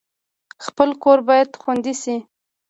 خپل کور باید خوندي شي